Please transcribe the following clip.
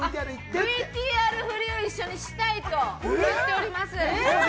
ＶＴＲフリを一緒にしたいと言っております。